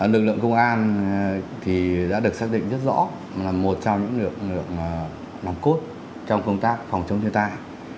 lực lượng công an đã được xác định rất rõ là một trong những lực lượng nòng cốt trong công tác phòng chống thiên tai